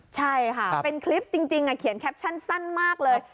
ใช่ค่ะเป็นคลิปจริงเขียนแคปชั่นสั้นมากเลย